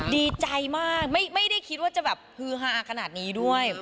ดีใจมากไม่ได้คิดว่าจะแบบฮือฮาขนาดนี้ด้วย